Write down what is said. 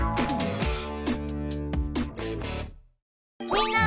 みんな！